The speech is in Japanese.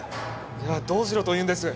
じゃあどうしろと言うんです？